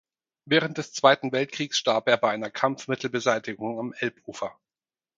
Während des Zweiten Weltkriegs starb er bei einer Kampfmittelbeseitigung am Elbufer.